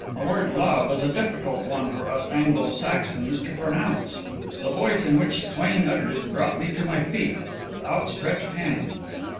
The word "love" is a difficult one for us Anglo Saxons to pronounce; the voice in which Swain uttered it brought me to my feet, with outstretched hand.